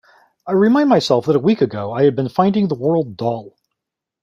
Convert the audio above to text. I reminded myself that a week ago I had been finding the world dull.